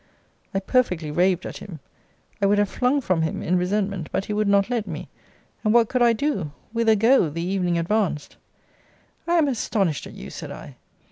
I perfectly raved at him. I would have flung from him in resentment; but he would not let me: and what could I do? Whither go, the evening advanced? I am astonished at you! said I.